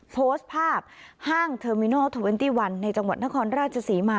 โพสต์ภาพห้างเทอร์มินอลเทอร์เวนตี้วันในจังหวัดนครราชศรีมา